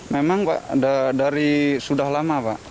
memang pak dari sudah lama pak